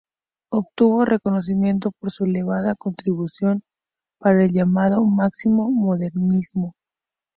Obtuvo reconocimiento por su elevada contribución para el llamado "máximo" modernismo.